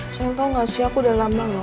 saya tau gak sih aku udah lama loh